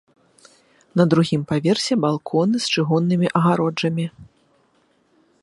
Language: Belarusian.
На другім паверсе балконы з чыгуннымі агароджамі.